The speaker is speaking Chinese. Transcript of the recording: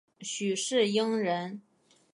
许世英人。